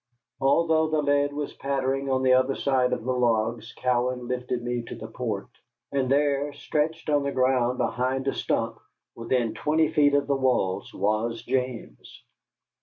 Although the lead was pattering on the other side of the logs, Cowan lifted me to the port. And there, stretched on the ground behind a stump, within twenty feet of the walls, was James.